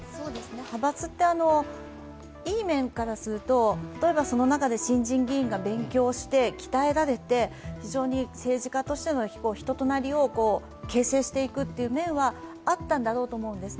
派閥って、いい面からすると、例えばその中で新人議員が勉強して鍛えられて、非常に政治家としての人となりを形成していくという面はあったんだろうと思うんです。